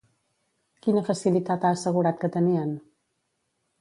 Quina facilitat ha assegurat que tenien?